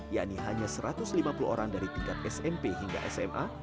yakni hanya satu ratus lima puluh orang dari tingkat smp hingga ke tiga